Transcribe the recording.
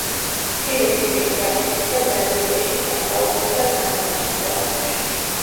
მცირე ბიძგები დაფიქსირდა ბრაზილიაში, სან-პაულუსა და კანადაში, ტორონტოში.